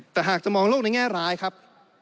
แต่หากจะมองโลกในแง่ร้ายครับ